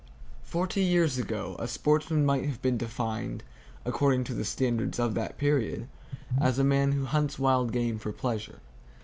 Forty years ago, a sportsman might have been defined, according to the standards of that period, as a man who hunts wild game for pleasure.